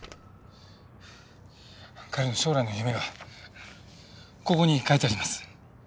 彼の将来の夢がここに書いてあります。